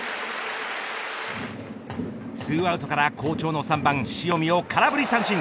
２アウトから好調の３番塩見を空振り三振。